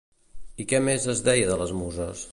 I què més es deia de les Muses?